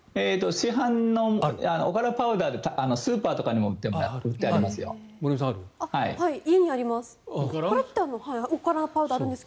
市販のおからパウダースーパーとかに売ってますよ。